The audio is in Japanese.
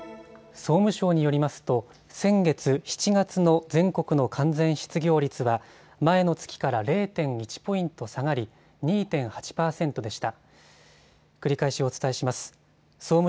総務省によりますと先月７月の全国の完全失業率は前の月から０．１ポイント下がり２．８％でした。